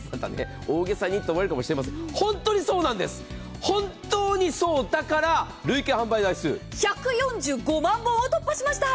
大げさにと思われるかもしれませんが本当にそうだから、累計販売台数１４５万本突破しました。